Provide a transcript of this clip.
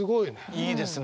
いいですね。